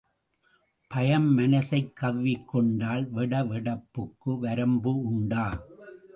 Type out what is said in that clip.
பயம் மனசைக் கவ்விக்கொண்டால், வெட வெடப்புக்கு வரம்பு உண்டா?